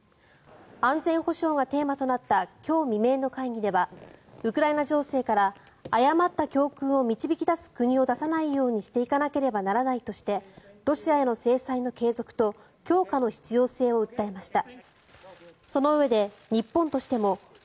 安全保障がテーマとなった今日未明の会議ではウクライナ情勢から誤った教訓を導き出す国を出さないようにしていかなければならないとしてロシアへの制裁の継続と強化の必要性を訴えました。